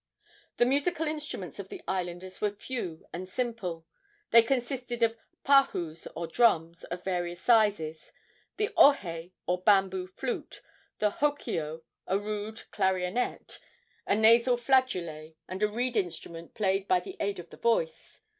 The musical instruments of the islanders were few and simple. They consisted of pahus, or drums, of various sizes; the ohe, a bamboo flute; the hokio, a rude clarionet; a nasal flageolet, and a reed instrument played by the aid of the voice.